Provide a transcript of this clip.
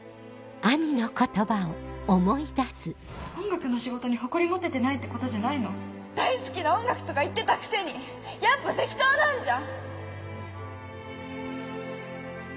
音楽の仕事に誇り持ててないってことじゃ大好きな音楽とか言ってたくせにやっぱ適当なんじゃん！